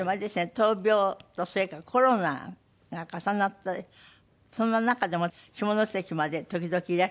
闘病とそれからコロナが重なってそんな中でも下関まで時々いらしてた？